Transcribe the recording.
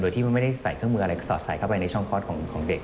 สอดใสกลับเข้าไปในช่องคลอดของเด็ก